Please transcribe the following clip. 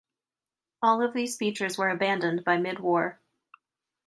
All of these features were abandoned by mid-war.